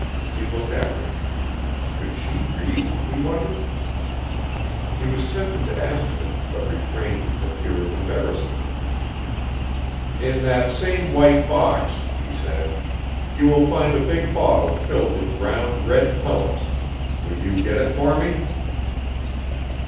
He looked at her. Could she read? he wondered. He was tempted to ask her, but refrained for fear of embarrassing her. "In that same white box," he said, "you will find a big bottle filled with round red pellets. Would you get it for me?"